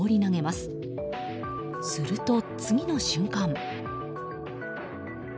すると、次の瞬間